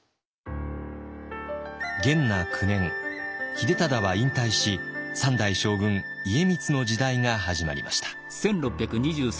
秀忠は引退し三代将軍家光の時代が始まりました。